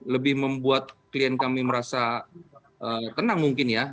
lebih membuat klien kami merasa tenang mungkin ya